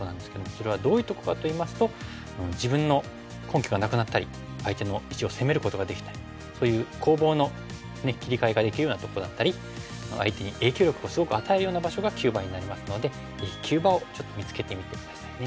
それはどういうとこかといいますと自分の根拠がなくなったり相手の石を攻めることができたりそういう攻防の切り替えができるようなとこだったり相手に影響力をすごく与えるような場所が急場になりますのでぜひ急場をちょっと見つけてみて下さいね。